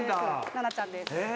「ななちゃんです」